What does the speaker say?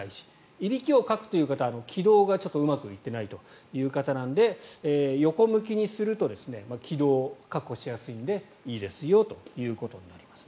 いびきをかくという方は気道がちょっとうまくいっていないという方なので横向きにすると気道、確保しやすいのでいいですよということになります。